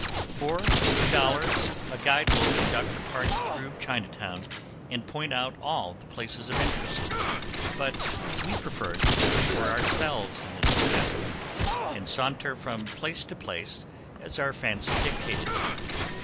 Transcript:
For a few dollars a guide will conduct a party through Chinatown, and point out all the places of interest; but we preferred to act for ourselves in this capacity, and saunter from place to place as our fancy dictated.